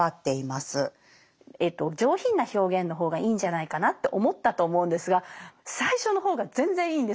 上品な表現の方がいいんじゃないかなって思ったと思うんですが最初の方が全然いいんですよ。